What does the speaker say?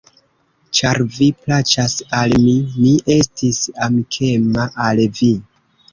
Ĉar vi plaĉas al mi; mi estis amikema al vi.